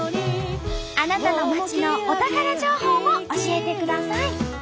あなたの町のお宝情報も教えてください。